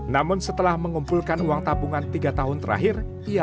namun setelah mengumpulkan uang tabungan tiga tahun terakhir